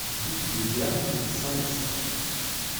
Route des Vergnes, Saint-Mexant